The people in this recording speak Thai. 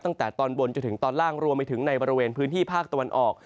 ตั้งแต่ตอนบนจนถึงตอนล่างรวมไปถึงในบริเวณพื้นที่ภาคตะวันออก